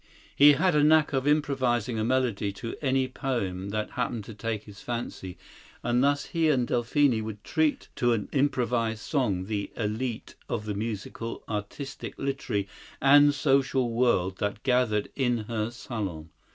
He had a knack of improvising a melody to any poem that happened to take his fancy, and thus he and Delphine would treat to an improvised song the elite of the musical, artistic, literary and social world that gathered in her salon.